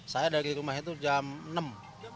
saya dari rumah itu jam enam